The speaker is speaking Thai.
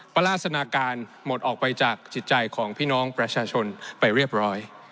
ปราศนาการหมดออกไปจากจิตใจของพี่น้องประชาชนไปเรียบร้อย